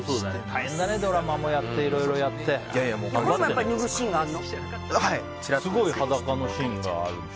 大変だね、ドラマもやってこれも脱ぐシーンがあるの？